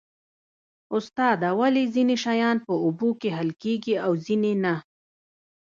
استاده ولې ځینې شیان په اوبو کې حل کیږي او ځینې نه